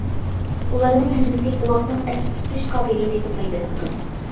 بۇلارنىڭ ھەممىسى بوۋاقنىڭ ئەستە تۇتۇش قابىلىيىتىگە پايدىلىق.